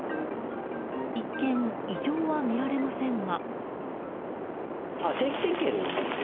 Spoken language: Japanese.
一見、異常は見られませんが。